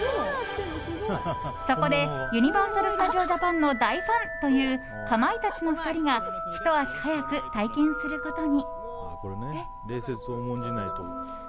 そこで、ユニバーサル・スタジオ・ジャパンの大ファンというかまいたちの２人がひと足早く体験することに。